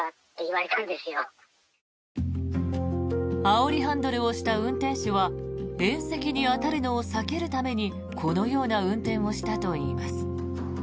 あおりハンドルをした運転手は縁石に当たるのを避けるためにこのような運転をしたといいます。